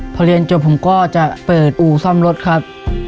พอเรียนจบผมก็จะเปิดอู่ซ่อมรถครับ